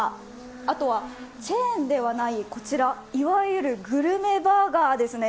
あとはチェーンではない、こちら、いわゆるグルメバーガーですね。